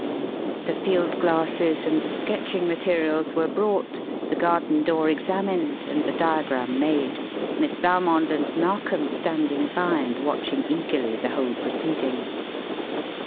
The field glasses and the sketching materials were brought, the garden door examined and the diagram made, Miss Valmond and Narkom standing by and watching eagerly the whole proceeding.